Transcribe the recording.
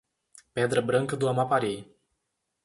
Pedra Branca do Amapari